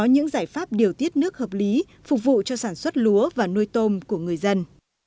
những giải pháp điều tiết nước hợp lý phục vụ cho sản xuất lúa và nuôi tôm của người dân